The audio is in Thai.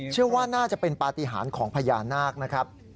เชื่อว่าน่าจะเป็นปฏิหารของพญานาคนะครับ